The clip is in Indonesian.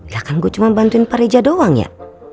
lah kan gua cuma bantuin pak reja doang ya